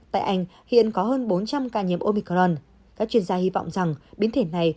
tại anh hiện có hơn bốn trăm linh ca nhiễm omicron các chuyên gia hy vọng rằng biến thể này